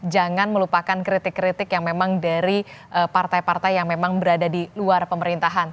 jangan melupakan kritik kritik yang memang dari partai partai yang memang berada di luar pemerintahan